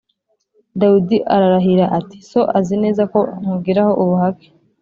Dawidi ararahira ati “So azi neza ko nkugiraho ubuhake